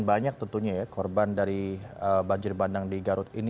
banyak tentunya ya korban dari banjir bandang di garut ini